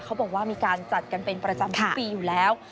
เขาบอกว่ามีการจัดกันเป็นประจำทุกปีอยู่แล้ว